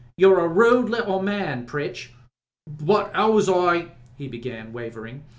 "You're a rude little man, Pritch." "But how was I " he began, wavering.